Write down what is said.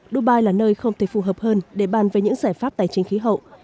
dubai là nơi không thể phù hợp hơn để bàn về những giải pháp tài chính khí hậu